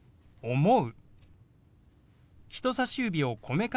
「思う」。